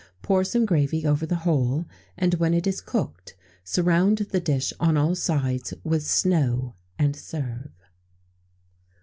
Pour some gravy over the whole, and when it is cooked, surround the dish on all sides with snow, and serve.